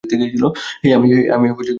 হেই, আমি পাল্টাতে পারব।